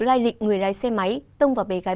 lai lịnh người lái xe máy tông vào bề gái